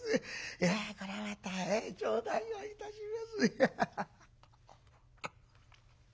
いやこれはまた頂戴をいたします」。